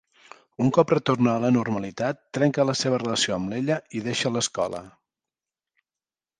Un cop retorna a la normalitat, trenca la seva relació amb l'Ella i deixa l'escola.